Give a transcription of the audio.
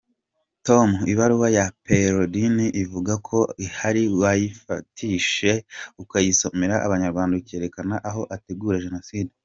Tom ibaruwa ya Perraudin uvuga ko ihari wayifashe ukayisomera Abanyarwanda ukerekana aho ategura jenoside.